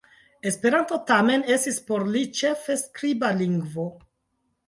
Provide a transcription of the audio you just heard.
Esperanto tamen estis por li ĉefe skriba lingvo.